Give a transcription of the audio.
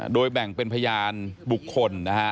โดยแบ่งเป็นพยานบุคคลนะฮะ